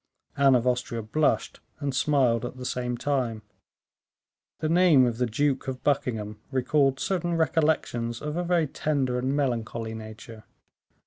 Anne of Austria blushed and smiled at the same time. The name of the Duke of Buckingham recalled certain recollections of a very tender and melancholy nature.